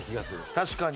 確かに。